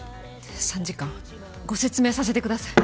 参事官ご説明させてください。